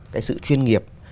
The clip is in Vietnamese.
cái sự chuyên nghiệp